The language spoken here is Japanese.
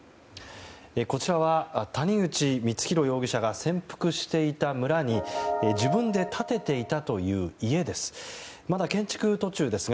こちらは谷口光弘容疑者が潜伏していた村に自分で建てていたという家です。